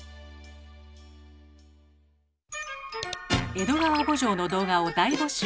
「江戸川慕情」の動画を大募集。